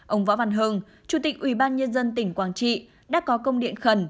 ông võ văn hương chủ tịch ubnd tỉnh quảng trị đã có công điện khẩn